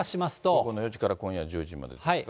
午後の４時から今夜１０時までですか。